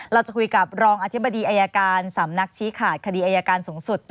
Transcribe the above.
เราจะคุยกับรองอธิบดีอายการสำนักชี้ขาดคดีอายการสูงสุด